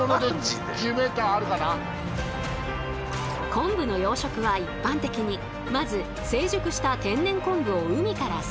昆布の養殖は一般的にまず成熟した天然昆布を海から採取。